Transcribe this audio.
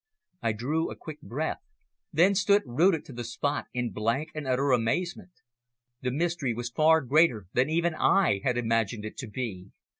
I drew a quick breath, then stood rooted to the spot in blank and utter amazement. The mystery was far greater than even I had imagined it to be.